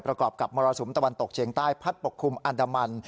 ประกอบกับมรสุมตะวันตกเฉียงใต้พัดปกคลุมอันดามัน